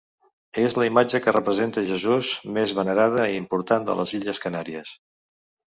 És la imatge que representa Jesús més venerada i important de les Illes Canàries.